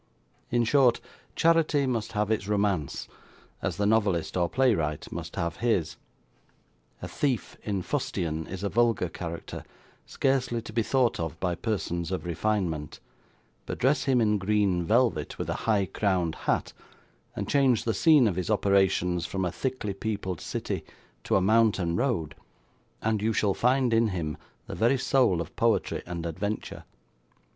In short, charity must have its romance, as the novelist or playwright must have his. A thief in fustian is a vulgar character, scarcely to be thought of by persons of refinement; but dress him in green velvet, with a high crowned hat, and change the scene of his operations, from a thickly peopled city, to a mountain road, and you shall find in him the very soul of poetry and adventure.